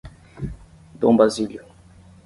Dom Basílio